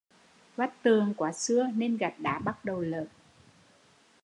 Vách tường quá xưa nên gạch đá bắt đầu lởn